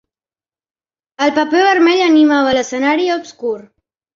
El paper vermell animava l'escenari obscur.